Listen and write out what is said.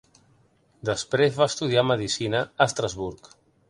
Després va estudiar medicina a Estrasburg.